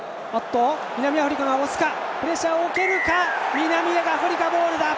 南アフリカボールだ！